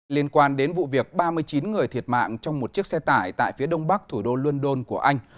liên quan đến vụ việc ba mươi chín người thiệt mạng trong một chiếc xe tải tại phía đông bắc thủ đô london của anh